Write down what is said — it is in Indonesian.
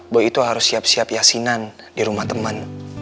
boy itu harus siap siap yasinan di rumah temen